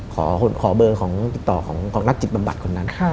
ขอเบอร์ของติดต่อของนักจิตบำบัดคนนั้น